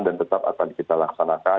dan tetap akan kita laksanakan